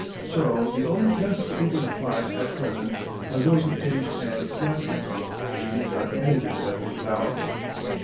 So the only tests we can apply at present are those of taste and judgment, and these are anything but infallible.